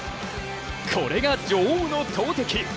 これが女王の投てき！